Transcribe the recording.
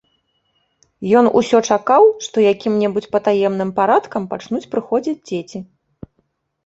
Ён усё чакаў, што якім-небудзь патаемным парадкам пачнуць прыходзіць дзеці.